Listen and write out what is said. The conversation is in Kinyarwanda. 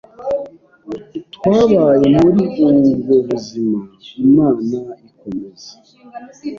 Twabaye muri ubwo buzima Imana ikomeza